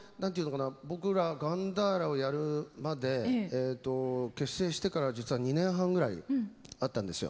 僕ら「ガンダーラ」をやるまで結成してから実は２年半ぐらいあったんですよ。